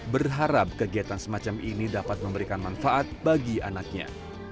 berharap kegiatan semacam ini dapat memberikan manfaat bagi anaknya